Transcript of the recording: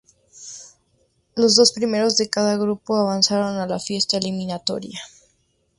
Los dos primeros de cada grupo avanzaron a la fase eliminatoria.